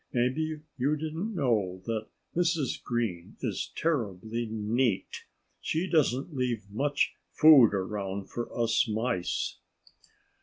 Maybe you didn't know that Mrs. Green is terribly neat. She doesn't leave much food around for us Mice."